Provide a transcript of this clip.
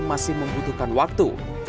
masih membutuhkan waktu